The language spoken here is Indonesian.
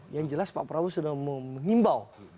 yang jelas pak prabowo sudah menghimbau